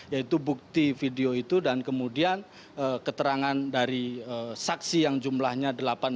yaitu bukti video itu dan kemudian keterangan dari saksi yang jumlahnya delapan puluh